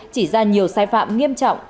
chỉ ra nhiều sai phạm nghiêm trọng